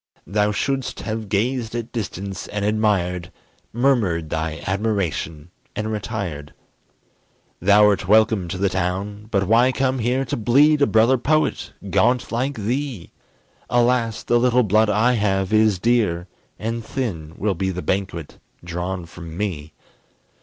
Thou shouldst have gazed at distance, and admired, Murmured thy admiration and retired. Thou'rt welcome to the town; but why come here To bleed a brother poet, gaunt like thee? Alas! the little blood I have is dear, And thin will be the banquet drawn from me.